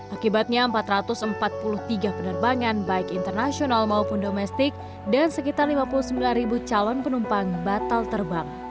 akibatnya empat ratus empat puluh tiga penerbangan baik internasional maupun domestik dan sekitar lima puluh sembilan calon penumpang batal terbang